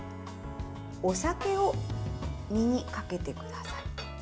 お酒を身にかけてください。